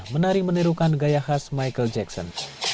menari menirukan gaya khas michael jackson